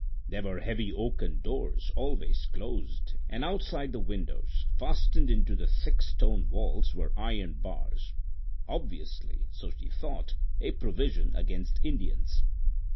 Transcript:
There were heavy oaken doors, always closed, and outside the windows, fastened into the thick stone walls, were iron bars, obviously (so she thought) a provision against Indians.